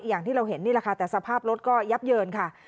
อย่างที่เราเห็นนี่แหละค่ะแต่สภาพรถก็ยับเยินค่ะ